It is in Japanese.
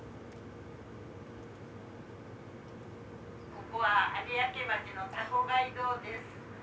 「ここは有明町のタコ街道です。